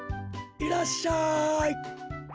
いらっしゃい。